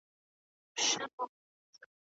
د چا په اړه ژر قضاوت مه کوئ.